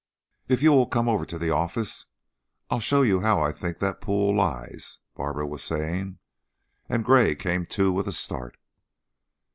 "If you will come over to the office, I'll show you how I think that pool lies," Barbara was saying, and Gray came to with a start.